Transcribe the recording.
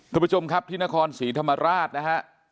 ทุกประจงทิณคนสีธรรมราช